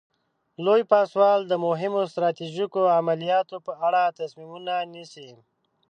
لوی پاسوال د مهمو ستراتیژیکو عملیاتو په اړه تصمیمونه نیسي.